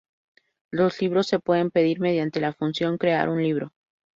Los libros se pueden pedir mediante la función "Crear un libro".